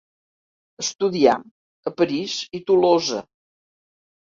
Estudià a París i Tolosa.